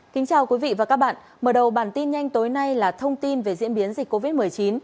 kính chào quý vị và các bạn mở đầu bản tin nhanh tối nay là thông tin về diễn biến dịch covid một mươi chín